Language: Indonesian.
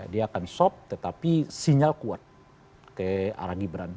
dia akan sop tetapi sinyal kuat ke arah gibran